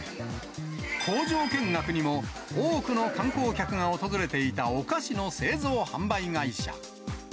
工場見学にも多くの観光客が訪れていたお菓子の製造・販売会社。